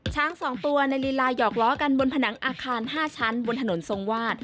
๒ตัวในลีลายอกล้อกันบนผนังอาคาร๕ชั้นบนถนนทรงวาด